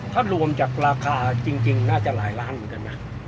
ถ้ารวมจากราคาจริงน่าจะหลายล้านเหมือนกันนะ